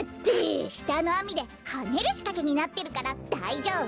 したのあみではねるしかけになってるからだいじょうぶ！